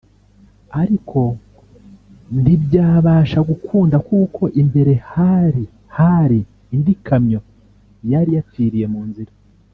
ariko nti byabasha gukunda kuko imbere hari hari indi kamyo yari yapfiriye mu nzira